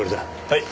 はい。